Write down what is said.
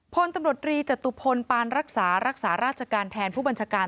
พลตำรวจรีจตุพลปานรักษารักษารักษาราชการแทนผู้บัญชาการ